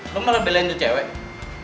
lo malah belain tuh cewek